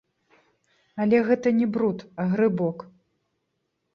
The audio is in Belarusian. Але гэта не бруд, а грыбок.